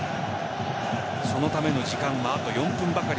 そのための時間はあと４分ばかり。